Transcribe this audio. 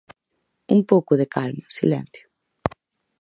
Un pouco de calma, silencio.